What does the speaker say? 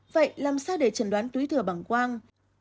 vậy làm sao để chẩn đoán túi thừa bằng quang